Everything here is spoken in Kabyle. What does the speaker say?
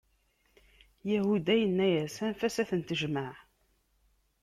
Yahuda yenna-yas: Anef-as ad ten-tejmeɛ!